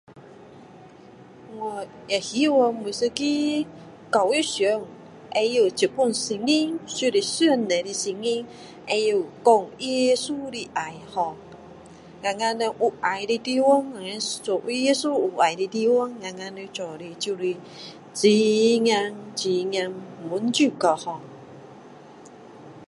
我知道每一个教育上这本圣经就是上帝的圣经知道说耶稣的爱 ho 我们有爱的地方耶稣有爱的地方我们要做的就是很怕很怕满足就好